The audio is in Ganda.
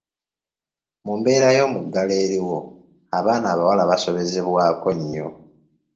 Mu mbeera y’omuggalo eriwo, abaana abawala basobezebwako nnyo.